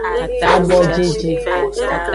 Abojeje.